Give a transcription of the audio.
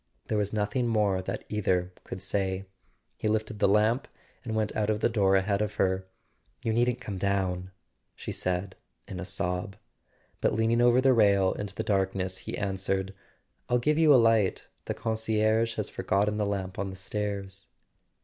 There was nothing more that either could say. He lifted the lamp, and went out of the door ahead of her. [ 184] A SON AT THE FRONT "You needn't come down," she said in a sob; but leaning over the rail into the darkness he answered: "I'll give you a light: the concierge has forgotten the lamp on the stairs."